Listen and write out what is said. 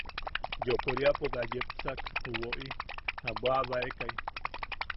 Yokoriapo bea yepsak ju woʼi a bwaʼabaekai.